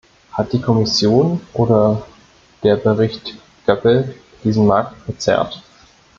Hat die Kommission oder der Bericht Goepel diesen Markt verzerrt?